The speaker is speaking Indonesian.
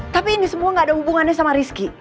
tapi ini semua gak ada hubungannya sama rizky